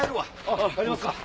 あっ帰りますか。